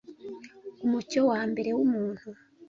Umucyo wambere wumuntu